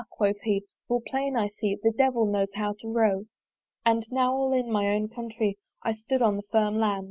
quoth he "full plain I see, "The devil knows how to row." And now all in mine own Countrée I stood on the firm land!